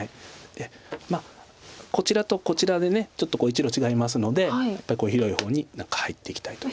まあこちらとこちらでちょっと１路違いますのでやっぱり広い方に何か入っていきたいと。